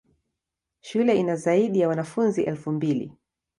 Shule ina zaidi ya wanafunzi elfu mbili.